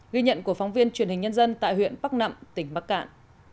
ghi nhận của phóng viên truyền hình nhân dân tại huyện bắc nẵm tỉnh bắc cạn